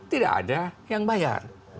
tidak ada yang bayar